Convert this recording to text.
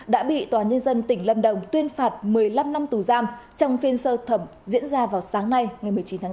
đã bị tòa nhân dân tỉnh lâm đồng tuyên phạt một mươi năm năm tù giam trong phiên sơ thẩm diễn ra vào sáng nay ngày một mươi chín tháng bốn